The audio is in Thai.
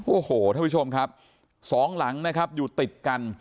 โอ้โหท่านผู้ชมครับสองหลังนะครับอยู่ติดกัน